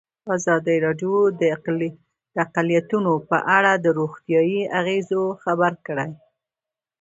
ازادي راډیو د اقلیتونه په اړه د روغتیایي اغېزو خبره کړې.